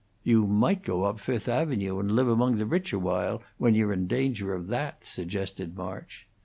"You might go up Fifth Avenue and live among the rich awhile, when you're in danger of that," suggested March.